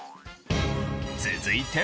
続いて。